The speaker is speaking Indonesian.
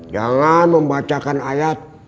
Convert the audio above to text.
jangan membacakan ayat